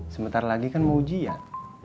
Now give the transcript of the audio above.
sebentar lagi kan mau ujian